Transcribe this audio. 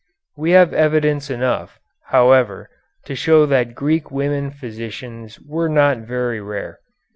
We have evidence enough, however, to show that Greek women physicians were not very rare.